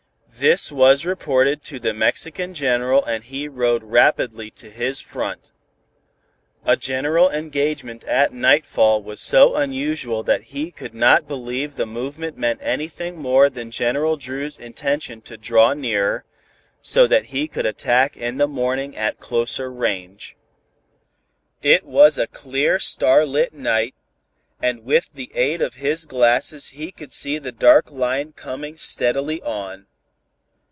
This was reported to General Benevides and he rode rapidly to his front. A general engagement at nightfall was so unusual that he could not believe the movement meant anything more than General Dru's intention to draw nearer, so that he could attack in the morning at closer range. It was a clear starlight night, and with the aid of his glasses he could see the dark line coming steadily on.